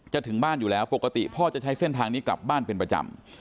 ถึงบ้านอยู่แล้วปกติพ่อจะใช้เส้นทางนี้กลับบ้านเป็นประจำ